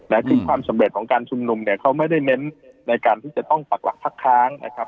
ซึ่งความสำเร็จของการชุมนุมเนี่ยเขาไม่ได้เน้นในการที่จะต้องปักหลักพักค้างนะครับ